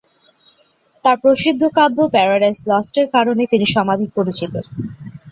তার প্রসিদ্ধ কাব্য paradise lost এর কারণে তিনি সমধিক পরিচিত।